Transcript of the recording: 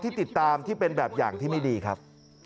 ติดตามที่เป็นแบบอย่างที่ไม่ดีครับ